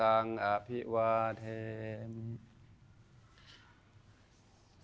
มันตั้งอภิวาเทมี